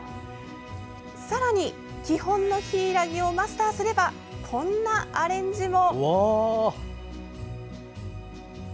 さらに、基本のヒイラギをマスターすればこんなアレンジも。